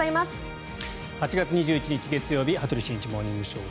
８月２１日、月曜日「羽鳥慎一モーニングショー」。